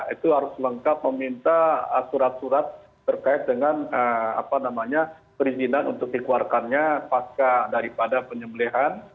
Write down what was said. itu harus lengkap meminta surat surat terkait dengan perizinan untuk dikeluarkannya pasca daripada penyembelihan